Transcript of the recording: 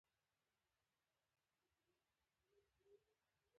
کېناستلې او مړاوې ښکارېدلې، شاوخوا کښتونه.